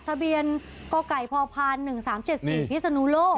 ทะเบียนกพ๑๓๗๔พิษนุโลก